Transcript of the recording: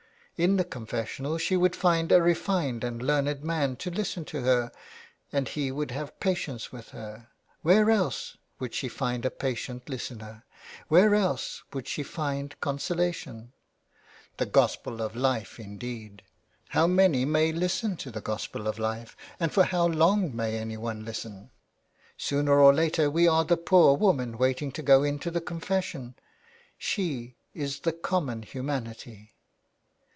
In the confessional she would find a refined and learned man to listen to her, and he would have patience with her. Where else would she find a patient listener ? Where else would she find consolation ?" The Gospel of Life," indeed ! How many may listen to the gospel of life, and for how long may anyone listen ? Sooner or later we are that poor woman waiting to go into the confession ; she is the common humanity.